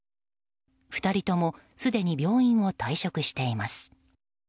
２人ともすでに病院を退職しています。